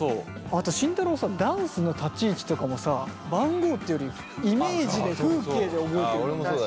あと慎太郎ダンスの立ち位置とかもさ番号っていうよりイメージで風景で覚えてるもん。